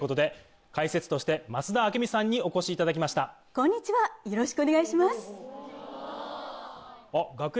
こんにちはよろしくお願いします。